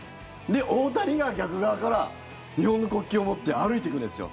で、大谷が逆側から日本の国旗を持って歩いていくんですよ。